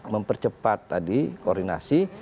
mempercepat tadi koordinasi